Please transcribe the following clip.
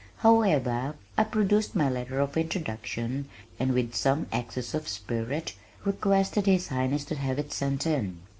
However, I produced my letter of introduction and with some access of spirit requested His Highness to have it sent in.